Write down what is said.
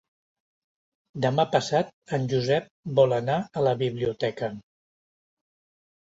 Demà passat en Josep vol anar a la biblioteca.